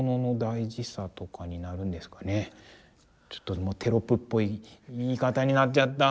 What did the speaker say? ちょっとテロップっぽい言い方になっちゃった。